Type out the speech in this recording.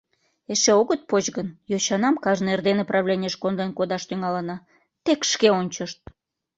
— Эше огыт поч гын, йочанам кажне эрдене правленийыш конден кодаш тӱҥалына, тек шке ончышт!